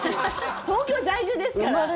東京在住ですから。